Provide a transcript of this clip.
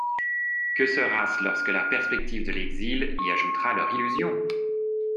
Que sera-ce lorsque la perspective de l’exil y ajoutera leur illusion ?